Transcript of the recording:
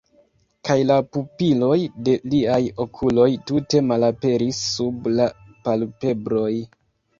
Kaj la pupiloj de liaj okuloj tute malaperis sub la palpebroj.